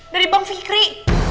dari bank fikri